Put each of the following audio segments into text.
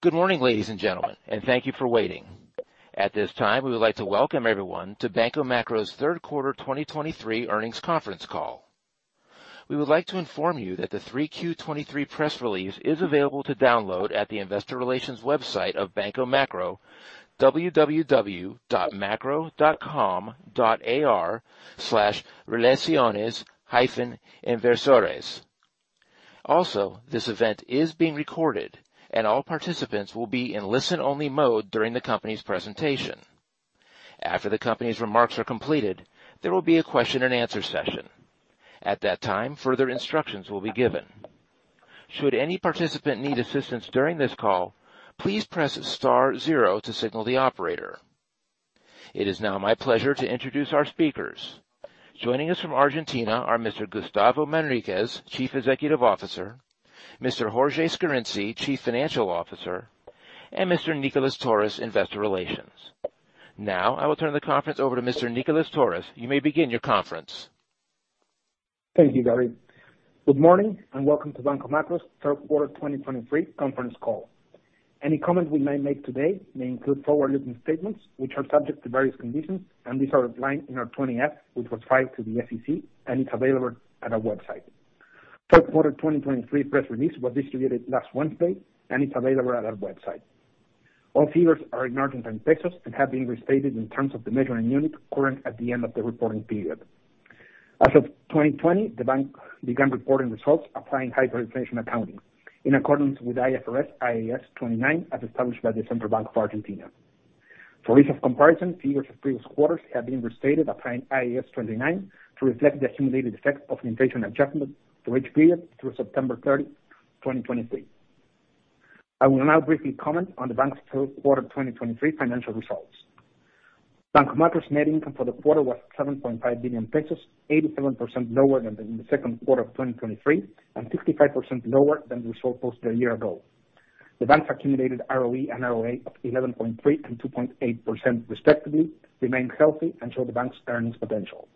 Good morning, ladies and gentlemen, and thank you for waiting. At this time, we would like to welcome everyone to Banco Macro's third quarter 2023 earnings conference call. We would like to inform you that the 3Q 2023 press release is available to download at the Investor Relations website of Banco Macro, www.macro.com.ar/relaciones-inversores. Also, this event is being recorded, and all participants will be in listen-only mode during the company's presentation. After the company's remarks are completed, there will be a question and answer session. At that time, further instructions will be given. Should any participant need assistance during this call, please press star zero to signal the operator. It is now my pleasure to introduce our speakers. Joining us from Argentina are Mr. Gustavo Manriquez, Chief Executive Officer, Mr. Jorge Scarinci, Chief Financial Officer, and Mr. Nicolás Torres, Investor Relations. Now, I will turn the conference over to Mr. Nicolás Torres. You may begin your conference. Thank you, Gary. Good morning, and welcome to Banco Macro's third quarter 2023 conference call. Any comments we may make today may include forward-looking statements, which are subject to various conditions, and these are outlined in our 20-F, which was filed to the SEC, and it's available at our website. Third quarter 2023 press release was distributed last Wednesday, and it's available at our website. All figures are in Argentine pesos and have been restated in terms of the measuring unit current at the end of the reporting period. As of 2020, the bank began reporting results applying hyperinflation accounting in accordance with IFRS-IAS 29, as established by the Central Bank of Argentina. For ease of comparison, figures of previous quarters have been restated applying IAS 29 to reflect the accumulated effect of inflation adjustment for each period through September 30, 2023. I will now briefly comment on the bank's third quarter 2023 financial results. Banco Macro's net income for the quarter was 7.5 billion pesos, 87% lower than the second quarter of 2023, and 55% lower than the result posted a year ago. The bank's accumulated ROE and ROA of 11.3% and 2.8% respectively, remain healthy and show the bank's earnings potential.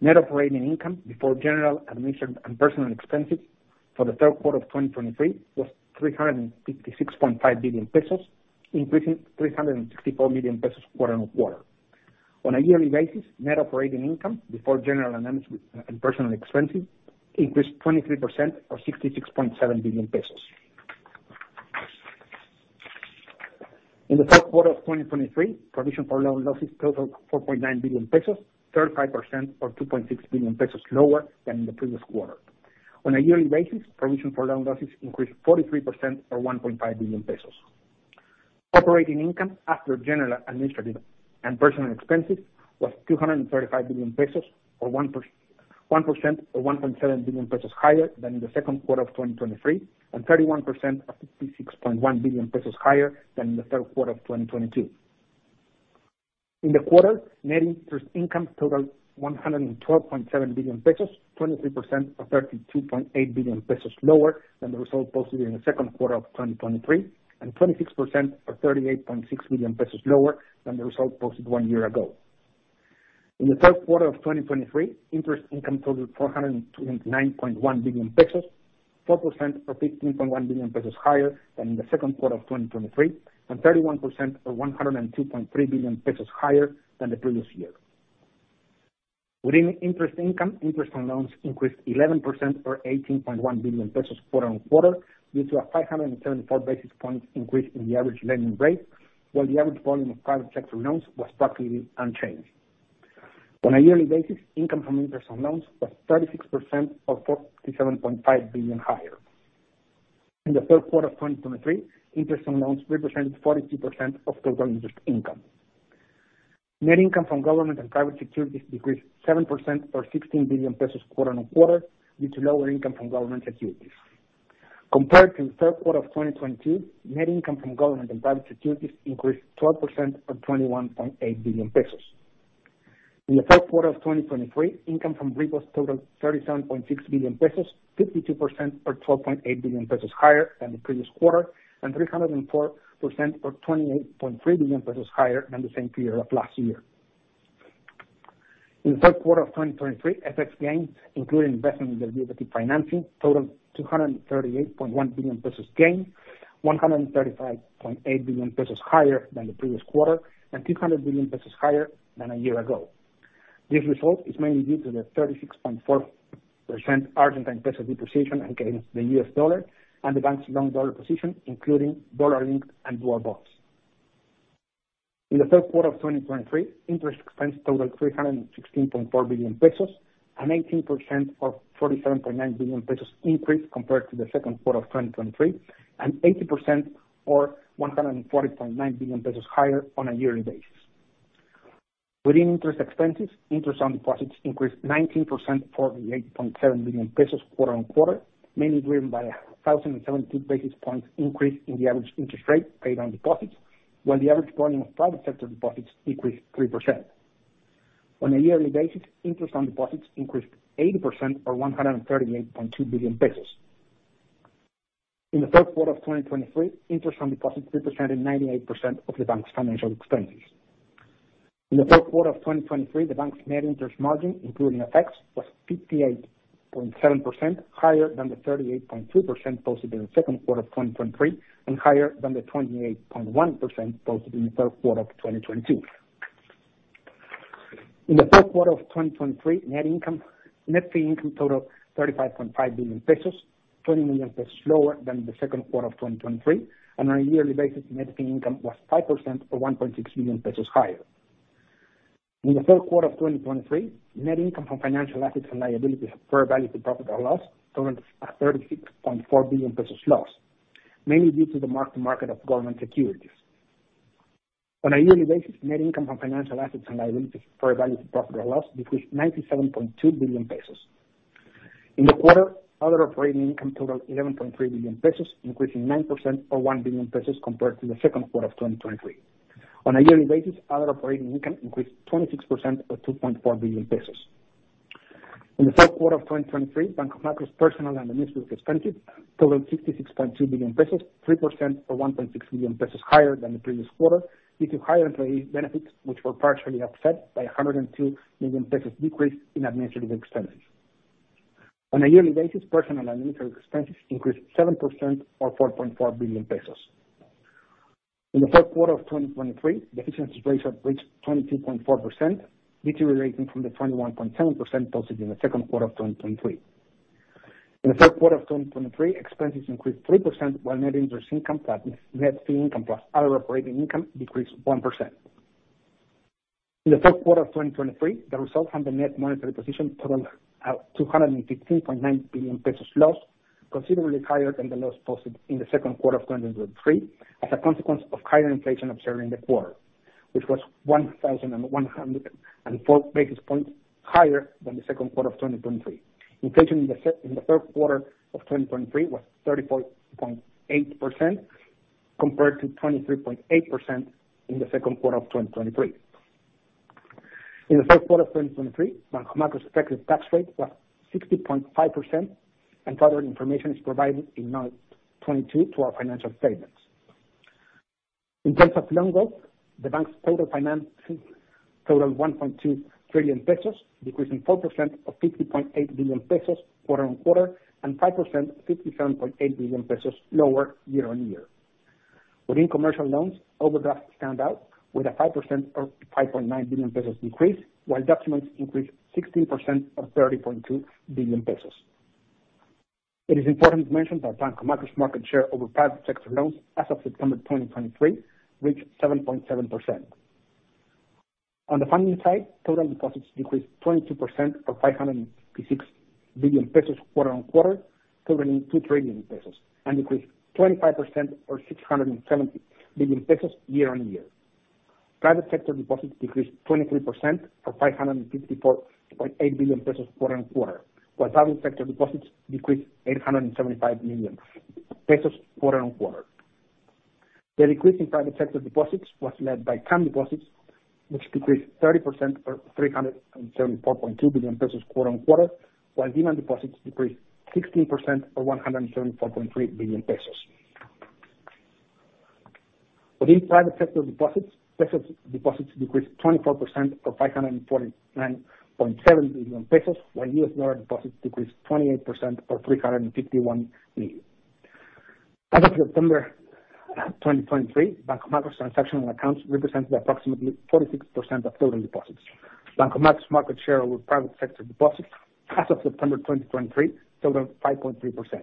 Net operating income before general, administration, and personal expenses for the third quarter of 2023 was 356.5 billion pesos, increasing 364 million pesos quarter-on-quarter. On a yearly basis, net operating income before general, administration, and personal expenses increased 23% or ARS 66.7 billion. In the third quarter of 2023, provision for loan losses totaled 4.9 billion pesos, 35% or 2.6 billion pesos lower than the previous quarter. On a yearly basis, provision for loan losses increased 43% or 1.5 billion pesos. Operating income after general, administrative, and personal expenses was 235 billion pesos, or 1% or 1.7 billion pesos higher than the second quarter of 2023, and 31% or 56.1 billion pesos higher than the third quarter of 2022. In the quarter, net interest income totaled 112.7 billion pesos, 23% or 32.8 billion pesos lower than the result posted in the second quarter of 2023, and 26% or 38.6 billion pesos lower than the result posted one year ago. In the third quarter of 2023, interest income totaled 429.1 billion pesos, 4% or 15.1 billion pesos higher than in the second quarter of 2023, and 31% or 102.3 billion pesos higher than the previous year. Within interest income, interest on loans increased 11% or 18.1 billion pesos quarter-over-quarter, due to a 574 basis points increase in the average lending rate, while the average volume of private sector loans was practically unchanged. On a yearly basis, income from interest on loans was 36% or 47.5 billion higher. In the third quarter of 2023, interest on loans represented 42% of total interest income. Net income from government and private securities decreased 7% or 16 billion pesos quarter on quarter, due to lower income from government securities. Compared to the third quarter of 2022, net income from government and private securities increased 12% or 21.8 billion pesos. In the third quarter of 2023, income from repos totaled 37.6 billion pesos, 52% or 12.8 billion pesos higher than the previous quarter, and 304% or 28.3 billion pesos higher than the same period of last year. In the third quarter of 2023, FX gains, including investment in derivative financing, totaled 238.1 billion pesos gain, 135.8 billion pesos higher than the previous quarter, and 200 billion pesos higher than a year ago. This result is mainly due to the 36.4% Argentine peso depreciation against the U.S. dollar and the bank's long dollar position, including Dollar-Linked and Dual Bonds. In the third quarter of 2023, interest expense totaled 316.4 billion pesos, an 18% or 47.9 billion pesos increase compared to the second quarter of 2023, and 80% or 140.9 billion pesos higher on a yearly basis. Within interest expenses, interest on deposits increased 19% or 8.7 billion pesos quarter on quarter, mainly driven by a 1,072 basis points increase in the average interest rate paid on deposits, while the average volume of private sector deposits increased 3%. On a yearly basis, interest on deposits increased 80% or 138.2 billion pesos. In the third quarter of 2023, interest on deposits represented 98% of the bank's financial expenses. In the third quarter of 2023, the bank's net interest margin, including effects, was 58.7%, higher than the 38.2% posted in the second quarter of 2023, and higher than the 28.1% posted in the third quarter of 2022. In the third quarter of 2023, net income, net fee income totaled 35.5 billion pesos, 20 million pesos lower than the second quarter of 2023, and on a yearly basis, net fee income was 5% or 1.6 million pesos higher. In the third quarter of 2023, net income from financial assets and liabilities fair value to profit or loss totaled at 36.4 billion pesos loss, mainly due to the mark-to-market of government securities. On a yearly basis, net income from financial assets and liabilities fair value to profit or loss decreased 97.2 billion pesos. In the quarter, other operating income totaled 11.3 billion pesos, increasing 9% or 1 billion pesos compared to the second quarter of 2023. On a yearly basis, other operating income increased 26% or 2.4 billion pesos. In the third quarter of 2023, Banco Macro's personnel and administrative expenses totaled 66.2 billion pesos, 3% or 1.6 billion pesos higher than the previous quarter, due to higher employee benefits, which were partially offset by a 102 million pesos decrease in administrative expenses. On a yearly basis, personnel administrative expenses increased 7% or 4.4 billion pesos. In the third quarter of 2023, the efficiency ratio reached 22.4%, deteriorating from the 21.7% posted in the second quarter of 2023. In the third quarter of 2023, expenses increased 3%, while net interest income, that is net fee income plus other operating income, decreased 1%. In the third quarter of 2023, the result on the net monetary position totaled 215.9 billion pesos loss, considerably higher than the loss posted in the second quarter of 2023, as a consequence of higher inflation observed in the quarter, which was 1,104 basis points higher than the second quarter of 2023. Inflation in the third quarter of 2023 was 34.8%, compared to 23.8% in the second quarter of 2023. In the third quarter of 2023, Banco Macro's effective tax rate was 60.5%, and further information is provided in note 22 to our financial statements. In terms of loans growth, the bank's total financing totaled 1.2 trillion pesos, decreasing 4% or 50.8 billion pesos quarter-on-quarter, and 5%, 57.8 billion pesos lower year-on-year. Within commercial loans, overdrafts stand out with a 5% or 5.9 billion pesos increase, while documents increased 16% or 30.2 billion pesos. It is important to mention that Banco Macro's market share over private sector loans as of September 2023, reached 7.7%. On the funding side, total deposits increased 22% or 556 billion pesos quarter-on-quarter, totaling 2 trillion pesos, and increased 25% or 670 billion pesos year-on-year. Private sector deposits decreased 23% or 554.8 billion pesos quarter-on-quarter, while public sector deposits decreased 875 million pesos quarter-on-quarter. The decrease in private sector deposits was led by current deposits, which decreased 30% or 374.2 billion pesos quarter-on-quarter, while demand deposits decreased 16% or 174.3 billion. Within private sector deposits, pesos deposits decreased 24% or 549.7 billion pesos, while U.S. dollar deposits decreased 28% or $351 million. As of September 2023, Banco Macro's transactional accounts represented approximately 46% of total deposits. Banco Macro's market share with private sector deposits as of September 2023 totaled 5.3%.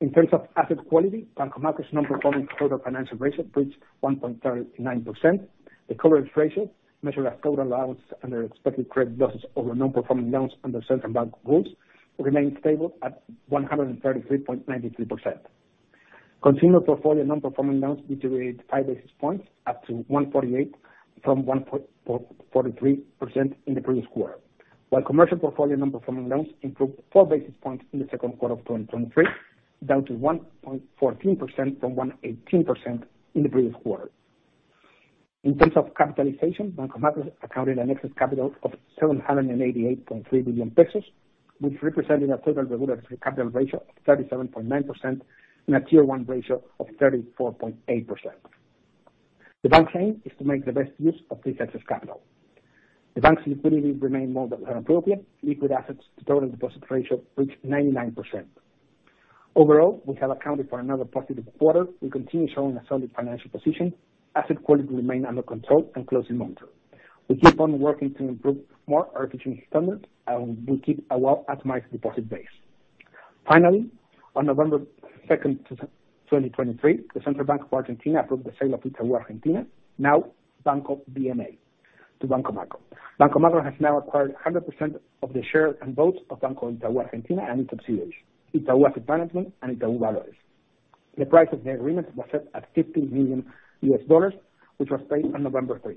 In terms of asset quality, Banco Macro's non-performing total financing ratio reached 1.39%. The coverage ratio, measured as total allowance under expected credit losses over non-performing loans under central bank rules, remained stable at 133.93%. Consumer portfolio non-performing loans deteriorated 5 basis points, up to 1.48% from 1.43% in the previous quarter. While commercial portfolio non-performing loans improved 4 basis points in the second quarter of 2023, down to 1.14% from 1.18% in the previous quarter. In terms of capitalization, Banco Macro accounted an excess capital of 788.3 billion pesos, which represented a total regulatory capital ratio of 37.9% and a Tier 1 ratio of 34.8%. The bank's aim is to make the best use of this excess capital. The bank's liquidity remained more than appropriate. Liquid assets to total deposit ratio reached 99%. Overall, we have accounted for another positive quarter. We continue showing a solid financial position. Asset quality remain under control and closely monitored. We keep on working to improve more our efficiency standards, and we keep a well-optimized deposit base. Finally, on November second, 2023, the Central Bank of Argentina approved the sale of Itaú Argentina, now Banco BMA, to Banco Macro. Banco Macro has now acquired 100% of the shares and votes of Banco Itaú Argentina and its subsidiaries, Itaú Asset Management and Itaú Valores. The price of the agreement was set at $50 million, which was paid on November 3.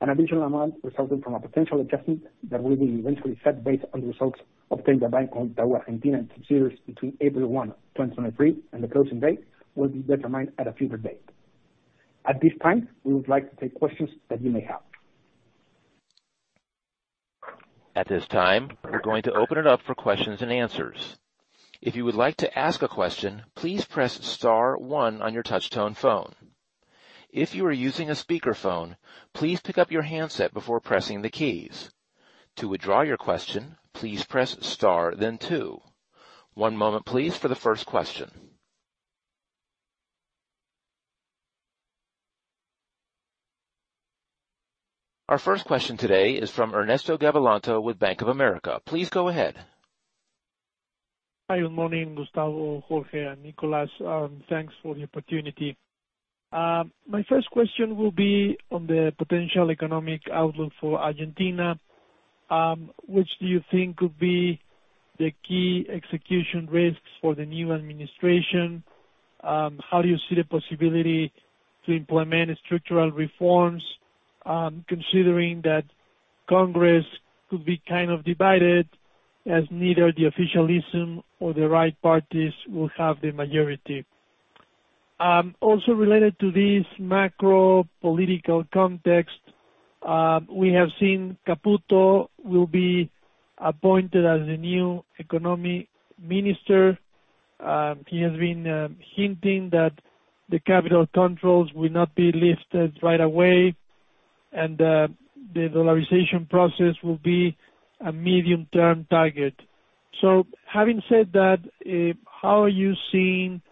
An additional amount resulting from a potential adjustment that will be eventually set based on the results obtained by Banco Itaú Argentina and subsidiaries between April 1, 2023, and the closing date, will be determined at a future date. At this time, we would like to take questions that you may have.... At this time, we're going to open it up for questions and answers. If you would like to ask a question, please press star one on your touchtone phone. If you are using a speakerphone, please pick up your handset before pressing the keys. To withdraw your question, please press star, then two. One moment, please, for the first question. Our first question today is from Ernesto Gabilondo with Bank of America. Please go ahead. Hi, good morning, Gustavo, Jorge, and Nicolás. Thanks for the opportunity. My first question will be on the potential economic outlook for Argentina. Which do you think could be the key execution risks for the new administration? How do you see the possibility to implement structural reforms, considering that Congress could be kind of divided, as neither the officialism or the right parties will have the majority? Also related to this macro political context, we have seen Caputo will be appointed as the new economy minister. He has been hinting that the capital controls will not be lifted right away, and the dollarization process will be a medium-term target. So having said that, how are you seeing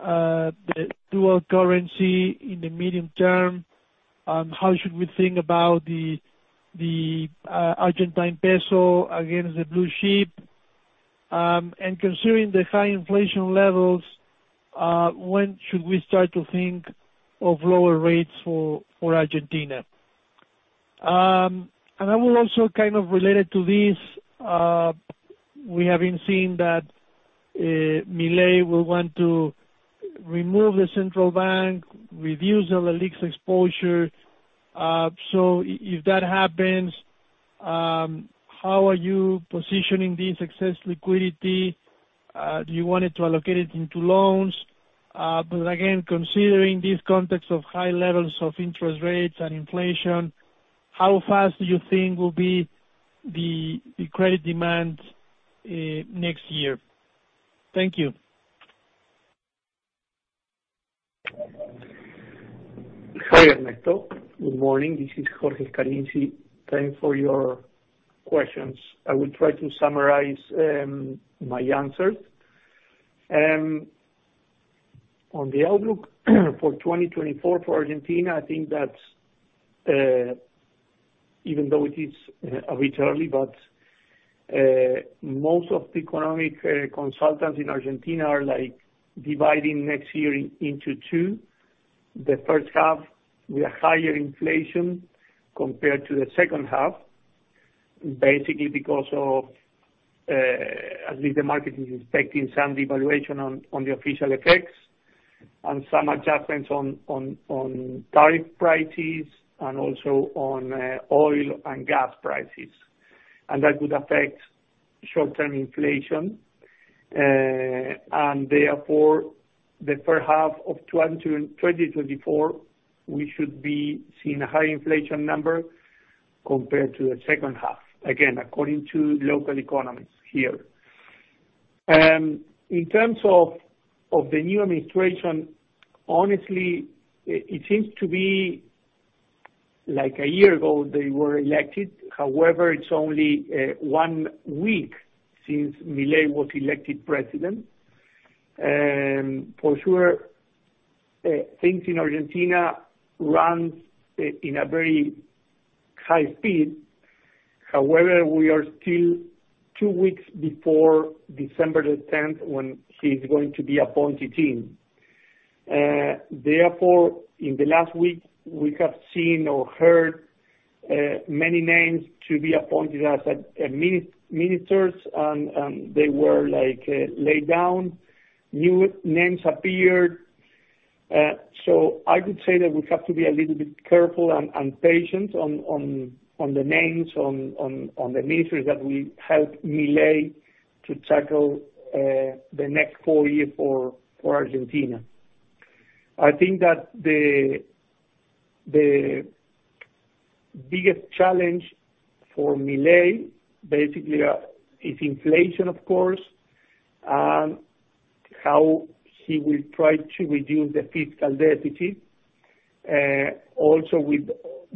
the dual currency in the medium term? And how should we think about the Argentine peso against the Blue Chip? And considering the high inflation levels, when should we start to think of lower rates for Argentina? And I will also, kind of related to this, we have been seeing that Milei will want to remove the central bank, reduce our LELIQ exposure. So if that happens, how are you positioning the excess liquidity? Do you want to allocate it into loans? But again, considering this context of high levels of interest rates and inflation, how fast do you think will be the credit demand next year? Thank you. Hi, Ernesto. Good morning. This is Jorge Scarinci. Thanks for your questions. I will try to summarize my answers. On the outlook for 2024 for Argentina, I think that even though it is a bit early, but most of the economic consultants in Argentina are, like, dividing next year into two. The first half, with a higher inflation compared to the second half, basically because at least the market is expecting some devaluation on the official FX and some adjustments on tariff prices and also on oil and gas prices. And that would affect short-term inflation. And therefore, the first half of 2024, we should be seeing a high inflation number compared to the second half, again, according to local economists here. In terms of the new administration, honestly, it seems to be like a year ago, they were elected. However, it's only one week since Milei was elected president. And for sure, things in Argentina runs in a very high speed. However, we are still two weeks before December the tenth, when he is going to be appointed in. Therefore, in the last week, we have seen or heard many names to be appointed as a ministers, and they were, like, laid down, new names appeared. So I would say that we have to be a little bit careful and patient on the names, on the ministers that will help Milei to tackle the next four years for Argentina. I think that the biggest challenge for Milei basically is inflation, of course, and how he will try to reduce the fiscal deficit also with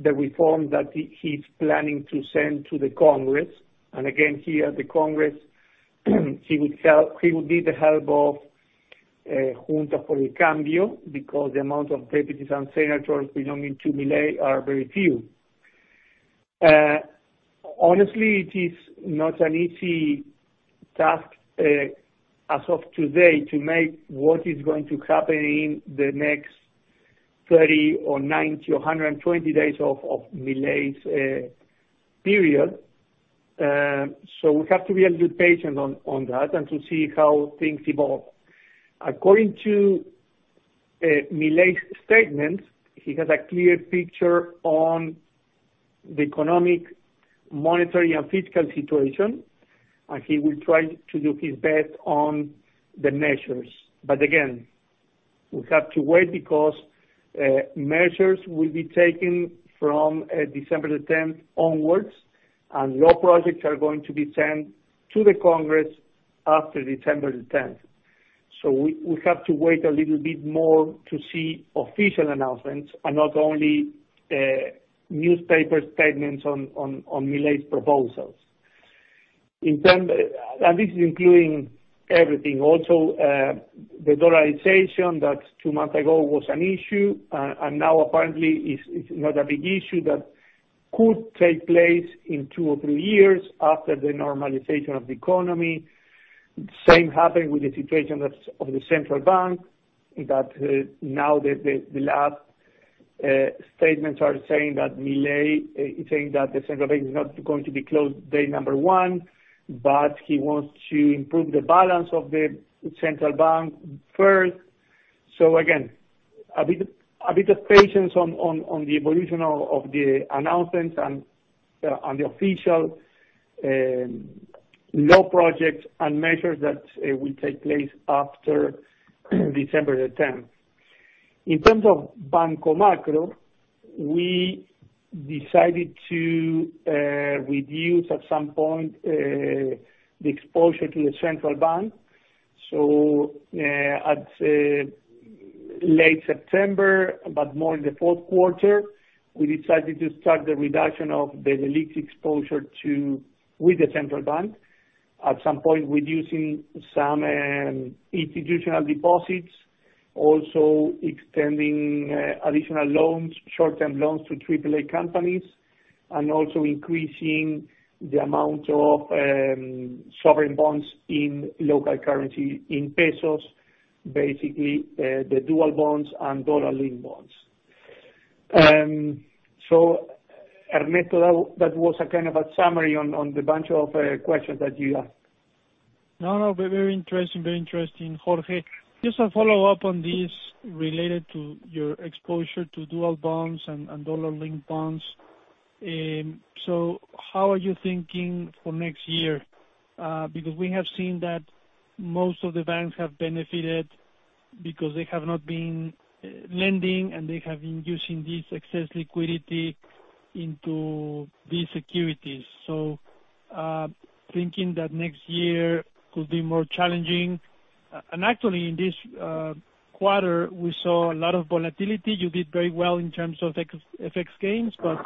the reform that he's planning to send to the Congress. And again, here, the Congress, he would help. He would need the help of Juntos por el Cambio, because the amount of deputies and senators belonging to Milei are very few. Honestly, it is not an easy task, as of today, to make what is going to happen in the next 30 or 90 or 120 days of Milei's period. So we have to be a little patient on that and to see how things evolve. According to Milei's statements, he has a clear picture on the economic, monetary, and fiscal situation, and he will try to do his best on the measures. But again, we have to wait because measures will be taken from December the tenth onwards, and law projects are going to be sent to the Congress after December the tenth. So we have to wait a little bit more to see official announcements and not only newspaper statements on Milei's proposals. And this is including everything, also the dollarization that two months ago was an issue, and now apparently is not a big issue that could take place in two or three years after the normalization of the economy. Same happened with the situation that's of the central bank, that, now the, the, the latest statements are saying that Milei is saying that the central bank is not going to be closed day number one, but he wants to improve the balance of the central bank first. So again, a bit, a bit of patience on, on, on the evolution of, of the announcements and, on the official, law projects and measures that, will take place after December the tenth. In terms of Banco Macro, we decided to, reduce at some point, the exposure to the central bank. So, at, late September, but more in the fourth quarter, we decided to start the reduction of the LELIQ exposure to... with the central bank. At some point, reducing some institutional deposits, also extending additional loans, short-term loans to AAA companies, and also increasing the amount of sovereign bonds in local currency, in pesos. Basically, the Dual Bonds and Dollar-Linked Bonds. So Ernesto, that was a kind of a summary on the bunch of questions that you asked. No, no, very interesting, very interesting, Jorge. Just a follow-up on this, related to your exposure to dual bonds and dollar-linked bonds. So how are you thinking for next year? Because we have seen that most of the banks have benefited because they have not been lending, and they have been using this excess liquidity into these securities. So thinking that next year could be more challenging. And actually, in this quarter, we saw a lot of volatility. You did very well in terms of ex-FX gains, but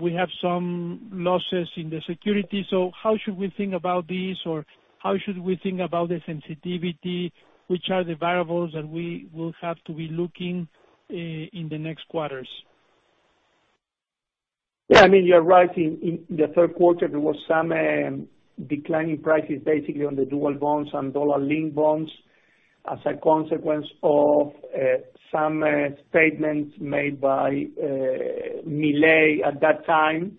we have some losses in the security. So how should we think about this? Or how should we think about the sensitivity? Which are the variables that we will have to be looking in the next quarters? Yeah, I mean, you're right. In the third quarter, there was some decline in prices, basically on the Dual Bonds and Dollar-Linked Bonds, as a consequence of some statements made by Milei at that time.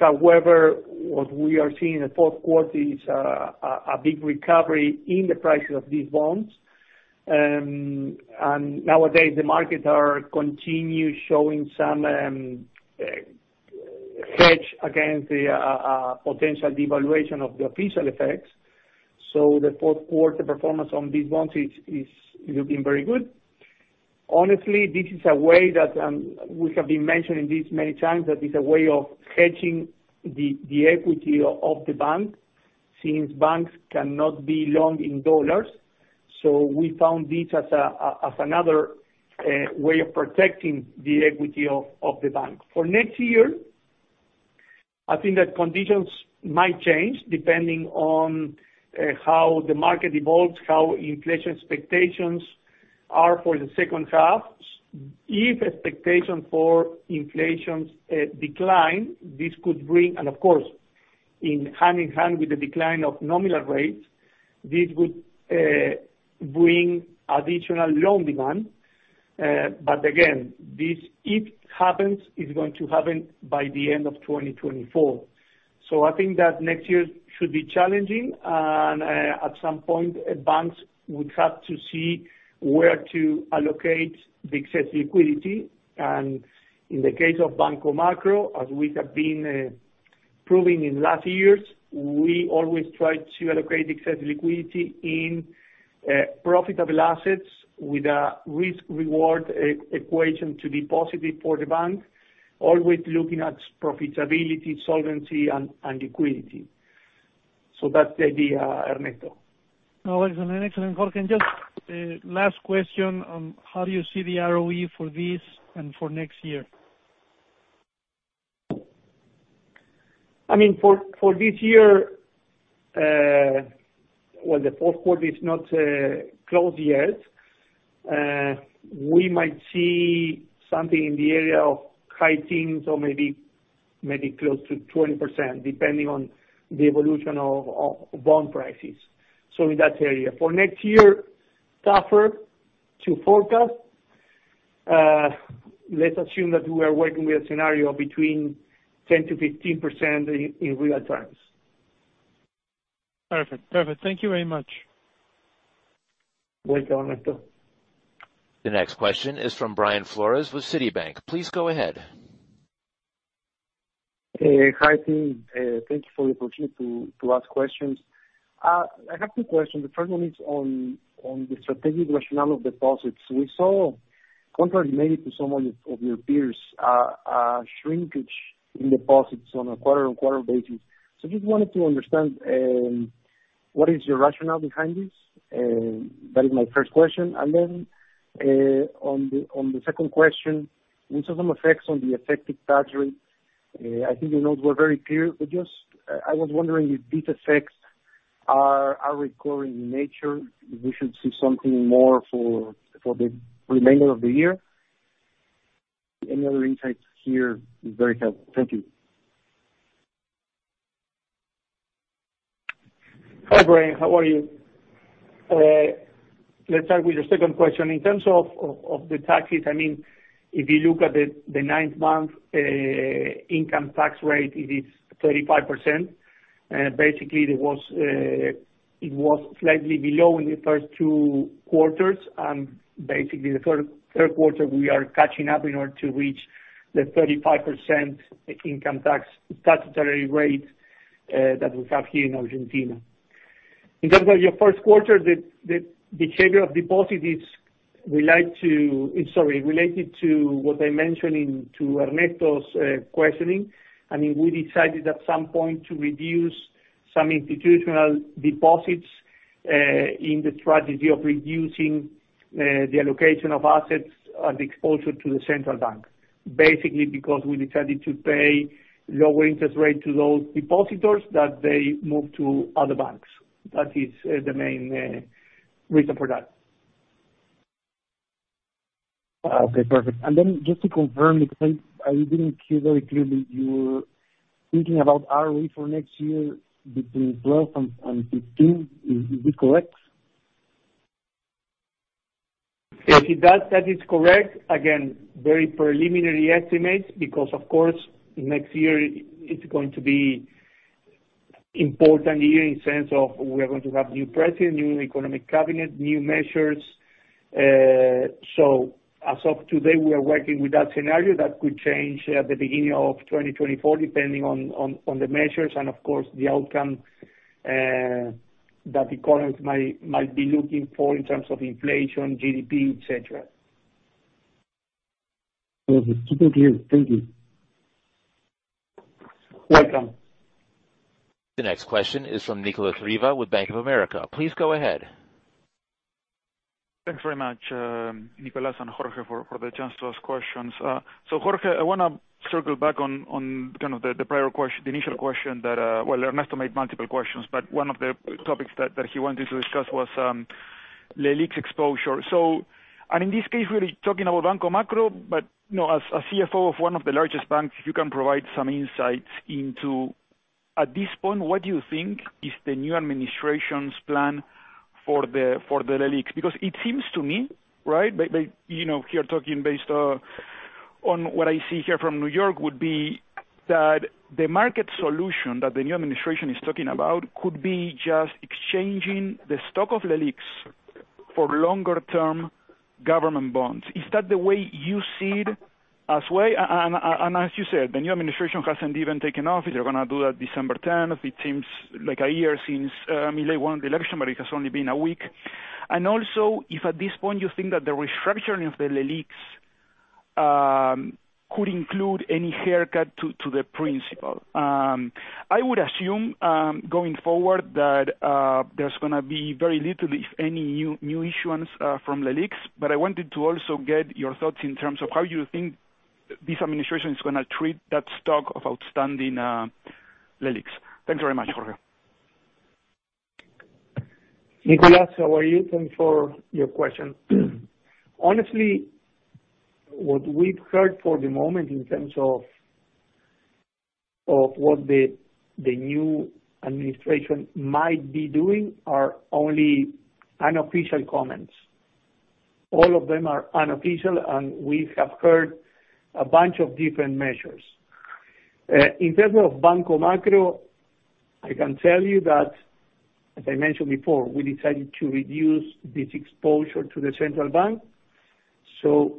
However, what we are seeing in the fourth quarter is a big recovery in the prices of these bonds. And nowadays, the markets continue showing some hedge against the potential devaluation of the official exchange rate. So the fourth quarter performance on these bonds is looking very good. Honestly, this is a way that we have been mentioning this many times, that is a way of hedging the equity of the bank, since banks cannot be long in dollars. So we found this as another way of protecting the equity of the bank. For next year, I think that conditions might change, depending on how the market evolves, how inflation expectations are for the second half. If expectations for inflation decline, this could bring... And of course, in hand-in-hand with the decline of nominal rates, this would bring additional loan demand. But again, this, if happens, is going to happen by the end of 2024. So I think that next year should be challenging, and at some point, banks would have to see where to allocate the excess liquidity. And in the case of Banco Macro, as we have been proving in last years, we always try to allocate excess liquidity in profitable assets with a risk/reward equation to be positive for the bank, always looking at profitability, solvency, and liquidity. So that's the idea, Ernesto. No, excellent, excellent, Jorge. Just, last question on how do you see the ROE for this and for next year? I mean, for this year, well, the fourth quarter is not closed yet. We might see something in the area of high teens or maybe close to 20%, depending on the evolution of bond prices. So in that area. For next year, tougher to forecast. Let's assume that we are working with a scenario between 10%-15% in real terms. Perfect. Perfect. Thank you very much. Welcome, Ernesto. The next question is from Brian Flores with Citibank. Please go ahead.... Hi team. Thank you for the opportunity to ask questions. I have two questions. The first one is on the strategic rationale of deposits. We saw, contrary maybe to some of your peers, a shrinkage in deposits on a quarter-on-quarter basis. So just wanted to understand what is your rationale behind this? That is my first question. And then, on the second question, we saw some effects on the effective tax rate. I think the notes were very clear, but just I was wondering if these effects are recurring in nature, we should see something more for the remainder of the year. Any other insights here is very helpful. Thank you. Hi, Brian, how are you? Let's start with your second question. In terms of the taxes, I mean, if you look at the ninth month income tax rate, it is 35%. Basically, it was it was slightly below in the first two quarters, and basically the third quarter, we are catching up in order to reach the 35% income tax statutory rate that we have here in Argentina. In terms of your first question, the behavior of deposits is related to, sorry, related to what I mentioned in to Ernesto's questioning. I mean, we decided at some point to reduce some institutional deposits in the strategy of reducing the allocation of assets and exposure to the central bank. Basically, because we decided to pay lower interest rate to those depositors, that they moved to other banks. That is, the main, reason for that. Okay, perfect. And then just to confirm, because I didn't hear very clearly, you were thinking about ROE for next year between 12 and 15. Is this correct? Actually, that is correct. Again, very preliminary estimates, because of course, next year it's going to be important year in sense of we are going to have new president, new economic cabinet, new measures. So as of today, we are working with that scenario. That could change at the beginning of 2024, depending on the measures and of course, the outcome that economists might be looking for in terms of inflation, GDP, et cetera. Okay. Super clear. Thank you. Welcome. The next question is from Nicolás Riva with Bank of America. Please go ahead. Thanks very much, Nicholas and Jorge, for the chance to ask questions. So Jorge, I wanna circle back on kind of the prior question, the initial question that well, Ernesto made multiple questions, but one of the topics that he wanted to discuss was LELIQ exposure. So and in this case, really talking about Banco Macro, but you know, as a CFO of one of the largest banks, you can provide some insights into, at this point, what you think is the new administration's plan for the LELIQ? Because it seems to me, right, you know, here talking based on what I see here from New York, would be that the market solution that the new administration is talking about could be just exchanging the stock of LELIQ for longer term government bonds. Is that the way you see it as well? And as you said, the new administration hasn't even taken office. They're gonna do that December ten. It seems like a year since Milei won the election, but it has only been a week. And also, if at this point you think that the restructuring of the LELIQ could include any haircut to the principal. I would assume going forward that there's gonna be very little, if any, new issuance from LELIQ, but I wanted to also get your thoughts in terms of how you think this administration is gonna treat that stock of outstanding LELIQ. Thanks very much, Jorge. Nicholas, how are you? Thanks for your question. Honestly, what we've heard for the moment in terms of, of what the, the new administration might be doing, are only unofficial comments. All of them are unofficial, and we have heard a bunch of different measures. In terms of Banco Macro, I can tell you that, as I mentioned before, we decided to reduce this exposure to the central bank. So,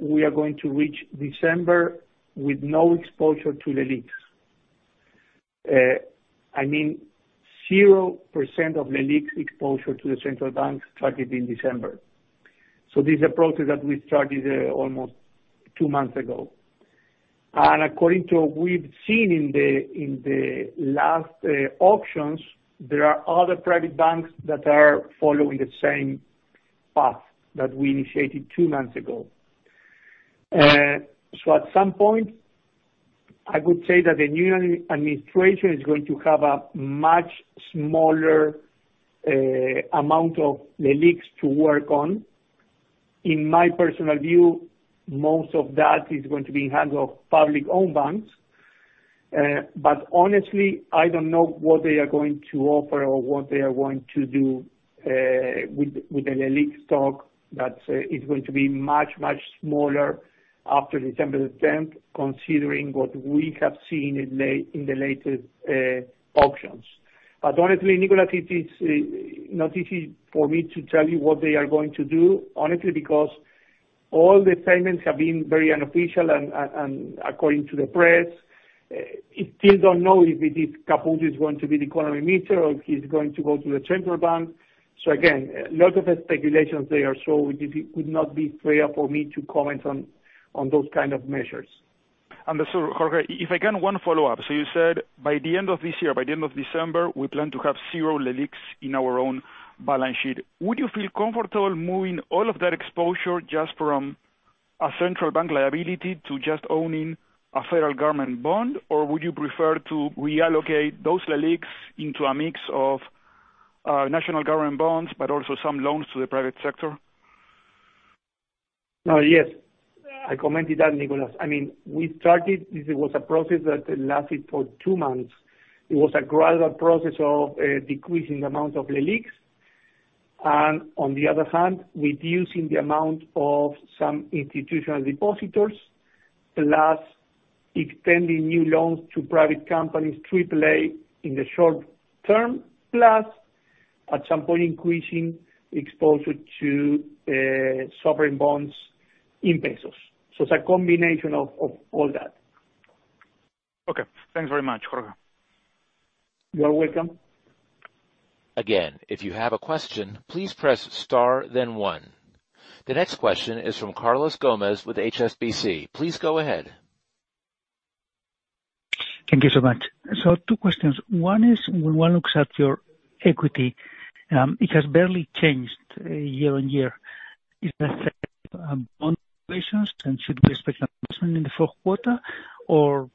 we are going to reach December with no exposure to LELIQ. I mean, 0% of LELIQ exposure to the central bank started in December. So this is a process that we started almost two months ago. And according to what we've seen in the last auctions, there are other private banks that are following the same path that we initiated two months ago. So at some point, I would say that the new administration is going to have a much smaller amount of LELIQs to work on. In my personal view, most of that is going to be in the hands of public-owned banks. But honestly, I don't know what they are going to offer or what they are going to do with the LELIQs stock. That is going to be much, much smaller after December the tenth, considering what we have seen in the latest auctions. But honestly, Nicolás, it is not easy for me to tell you what they are going to do, honestly, because... All the statements have been very unofficial and according to the press, we still don't know if it is, Caputo is going to be the economy minister or if he's going to go to the central bank. So again, a lot of speculations there, so it would not be fair for me to comment on those kind of measures. Jorge, if I can, one follow-up. So you said, by the end of this year, by the end of December, we plan to have zero LELIQs in our own balance sheet. Would you feel comfortable moving all of that exposure just from a central bank liability to just owning a federal government bond? Or would you prefer to reallocate those LELIQs into a mix of national government bonds, but also some loans to the private sector? Yes, I commented that, Nicholas. I mean, we started; this was a process that lasted for two months. It was a gradual process of decreasing the amount of LELIQ, and on the other hand, reducing the amount of some institutional depositors, plus extending new loans to private companies, triple A, in the short term, plus at some point, increasing exposure to sovereign bonds in pesos. So it's a combination of all that. Okay, thanks very much, Jorge. You are welcome. Again, if you have a question, please press star then one. The next question is from Carlos Gomez with HSBC. Please go ahead. Thank you so much. So two questions. One is, when one looks at your equity, it has barely changed year-on-year. Is that? And should we expect in the fourth quarter or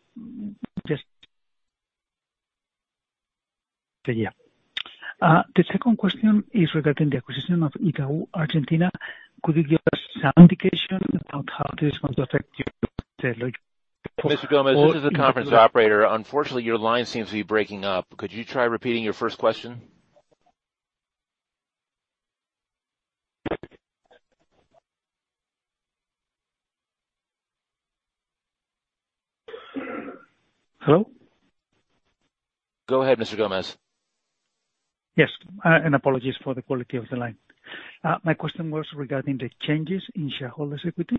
just... The second question is regarding the acquisition of Itaú Argentina. Could you give us some indication about how this is going to affect your? Mr. Gomez, this is the conference operator. Unfortunately, your line seems to be breaking up. Could you try repeating your first question? Hello? Go ahead, Mr. Gomez. Yes, and apologies for the quality of the line. My question was regarding the changes in shareholders' equity,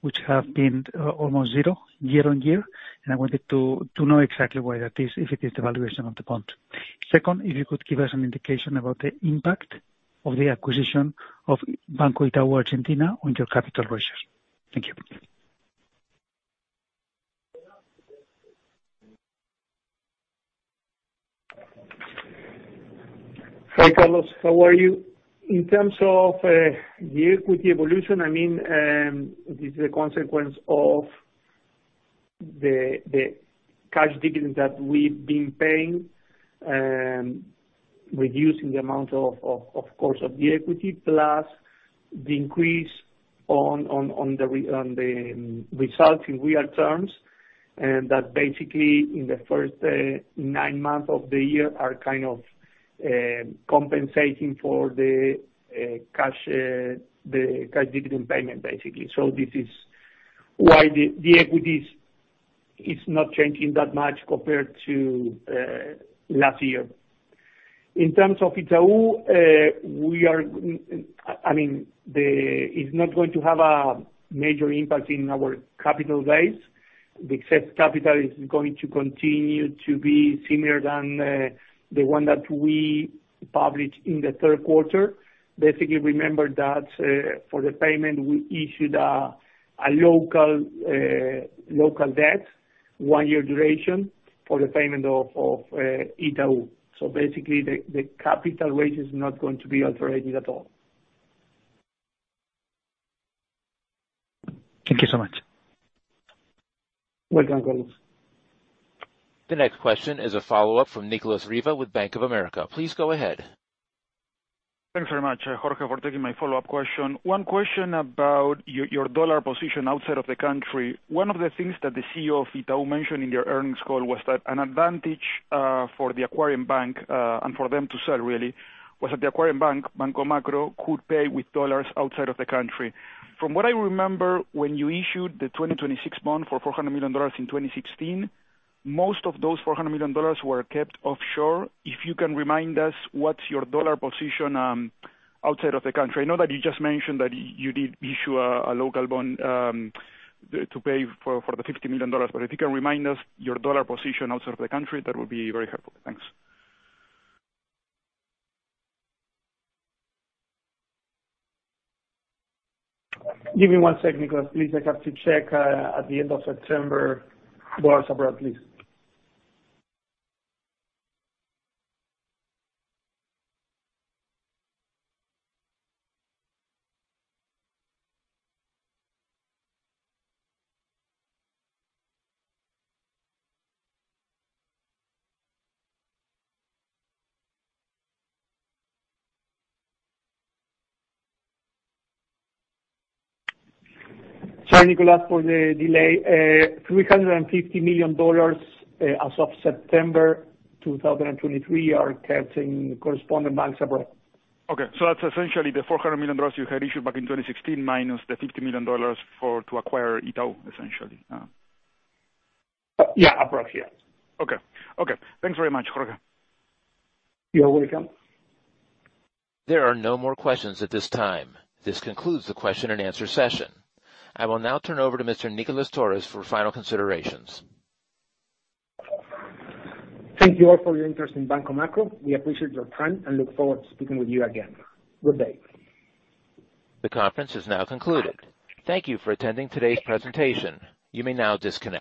which have been almost zero year on year, and I wanted to know exactly why that is, if it is the valuation of the bond. Second, if you could give us an indication about the impact of the acquisition of Banco Itaú Argentina on your capital ratio. Thank you. Hi, Carlos, how are you? In terms of the equity evolution, I mean, this is a consequence of the cash dividend that we've been paying, reducing the amount of course of the equity, plus the increase on the results in real terms, that basically in the first nine months of the year are kind of compensating for the cash dividend payment, basically. So this is why the equity is not changing that much compared to last year. In terms of Itau, I mean, the... It's not going to have a major impact in our capital base. The excess capital is going to continue to be similar than the one that we published in the third quarter. Basically, remember that for the payment, we issued a local debt, one-year duration, for the payment of Itaú. So basically, the capital raise is not going to be altered at all. Thank you so much. Welcome, Carlos. The next question is a follow-up from Nicolás Riva with Bank of America. Please go ahead. Thanks very much, Jorge, for taking my follow-up question. One question about your dollar position outside of the country. One of the things that the CEO of Itaú mentioned in your earnings call was that an advantage for the acquiring bank and for them to sell really was that the acquiring bank, Banco Macro, could pay with dollars outside of the country. From what I remember, when you issued the 2026 bond for $400 million in 2016, most of those $400 million were kept offshore. If you can remind us what's your dollar position outside of the country. I know that you just mentioned that you did issue a, a local bond, to pay for, for the $50 million, but if you can remind us your dollar position outside of the country, that would be very helpful. Thanks. Give me one second, Nicolás, please. I have to check at the end of September, dollars abroad, please. Sorry, Nicolás, for the delay. $350 million as of September 2023 are kept in correspondent banks abroad. Okay, so that's essentially the $400 million you had issued back in 2016, minus the $50 million for, to acquire Itaú, essentially? Yeah, abroad, yeah. Okay. Okay, thanks very much, Jorge. You're welcome. There are no more questions at this time. This concludes the question and answer session. I will now turn over to Mr. Nicolás Torres for final considerations. Thank you all for your interest in Banco Macro. We appreciate your time and look forward to speaking with you again. Good day. The conference is now concluded. Thank you for attending today's presentation. You may now disconnect.